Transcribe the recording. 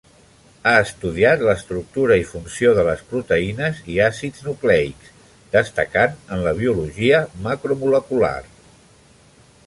Ha estudiat l'estructura i funció de les proteïnes i àcids nucleics, destacant en biologia macromolecular.